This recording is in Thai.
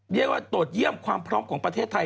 เรียกว่าตรวจเยี่ยมความพร้อมของประเทศไทย